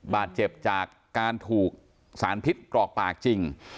บาดเจ็บจากการถูกสารพิษกรอกปากจริง